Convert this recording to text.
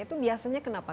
itu biasanya kenapa